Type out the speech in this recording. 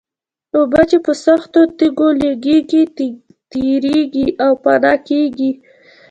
اوبه چې په سختو تېږو لګېږي تېرېږي او فنا کېږي.